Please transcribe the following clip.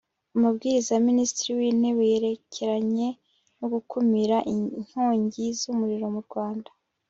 Amabwiriza ya Minisitiri w Intebe yerekeranye no gukumira inkongi z umuriro mu Rwanda